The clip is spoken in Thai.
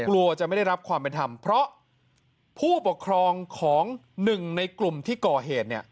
กลัวจะไม่ได้รับความเป็นธรรมเพราะผู้ปกครองของหนึ่งในกลุ่มที่ก่อเหตุเนี่ย